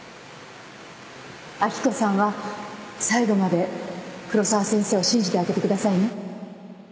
明子さんは最後まで黒沢先生を信じてあげてくださいね